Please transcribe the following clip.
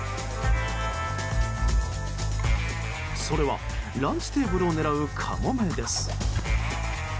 それはランチテーブルを狙うカモメです。